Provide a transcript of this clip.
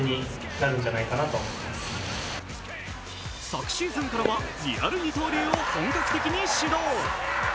昨シーズンからは、リアル二刀流を本格的に始動。